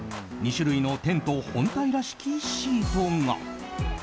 ２種類のテント本体らしきシートが。